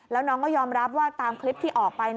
แล้วน้องก็ยอมรับว่าตามคลิปที่ออกไป